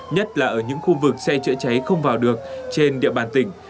nhất là ở những khu vực xe chữa cháy không vào được trên địa bàn tỉnh